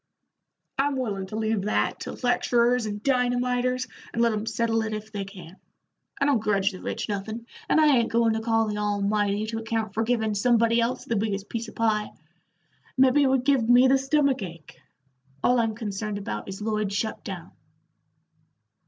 "I'm willin' to leave that to lecturers and dynamiters, and let 'em settle it if they can. I don't grudge the rich nothin', and I ain't goin' to call the Almighty to account for givin' somebody else the biggest piece of pie; mebbe it would give me the stomach ache. All I'm concerned about is Lloyd's shut down."